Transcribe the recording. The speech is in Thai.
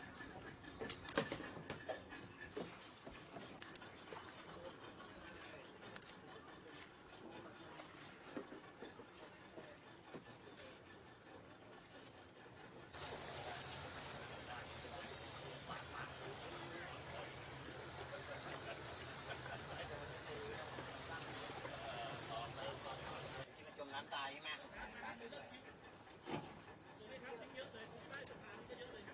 จมน้ำตาอย่างนี้ไหมครับ